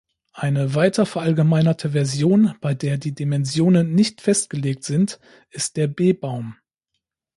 Eine weiter verallgemeinerte Version, bei der die Dimensionen nicht festgelegt sind, ist der B-Baum.